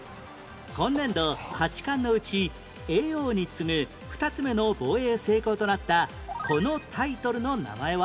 今年度八冠のうち叡王に次ぐ２つ目の防衛成功となったこのタイトルの名前は？